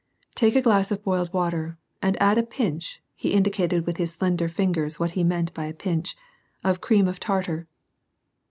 " Take a glass of boiled water, and add a pinch (he indicated with hia slender fingers what he meant by a pincn) of cream of tartar."